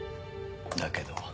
「だけど」